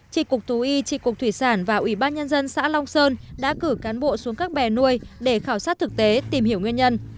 trị cục thú y trị cục thủy sản và ủy ban nhân dân xã long sơn đã cử cán bộ xuống các bè nuôi để khảo sát thực tế tìm hiểu nguyên nhân